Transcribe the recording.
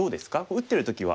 打ってる時は。